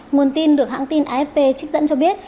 nguồn tin được hãng tin afp trích dẫn cho biết